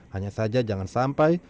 hanya saja jangan sampai